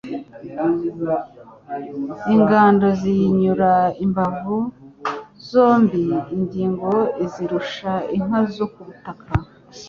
Ingondo ziyinyura imbavu zombiIngingo izirusha inka zo ku butaka